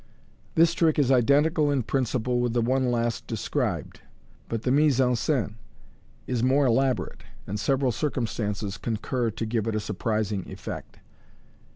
— This trick is identical in principle with the one last described, but the mist ftn scene is more elaborate, and several circumstances concur to give it a surprising effect.